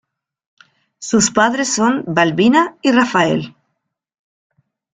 Sus padres son: Balbina y Rafael.